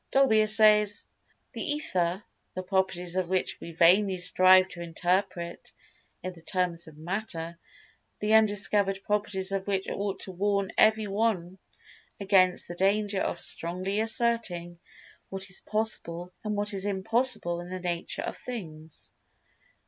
Dolbear says: "The Ether—the properties of which we vainly strive to interpret in the terms of Matter, the undiscovered properties of which ought to warn every one against the danger of strongly asserting[Pg 197] what is possible and what is impossible in the nature of things."